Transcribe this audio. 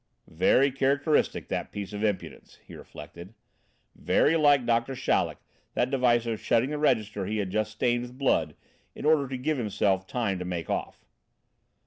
"Very characteristic, that piece of impudence," he reflected; "very like Doctor Chaleck that device of shutting the register he had just stained with blood in order to give himself time to make off!"